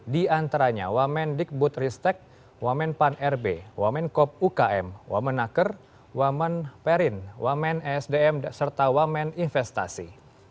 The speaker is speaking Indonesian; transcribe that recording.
diantaranya wamen digbud ristek wamen pan rb wamen kop ukm wamen aker wamen perin wamen esdm serta wamen investasi